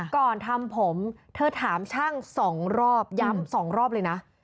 ก่อนทำผมเธอถามช่าง๒รอบย้ำ๒รอบเลยนะ